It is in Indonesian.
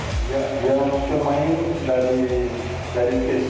dia memuji pemain dari persija tidak tidak kurang semangat